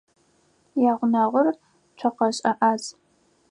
Ягъунэгъур цокъэшӏэ ӏаз.